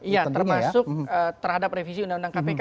ya termasuk terhadap revisi undang undang kpk